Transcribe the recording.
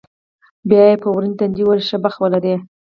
بیا یې په ورین تندي وویل، ښه بخت ولرې.